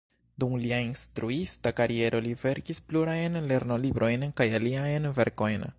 Dum lia instruista kariero li verkis plurajn lernolibrojn kaj aliajn verkojn.